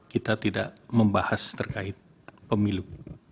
kita tidak membahas terkait pemilu